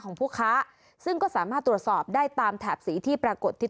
ของผู้ค้าซึ่งก็สามารถตรวจสอบได้ตามแถบสีที่ปรากฏที่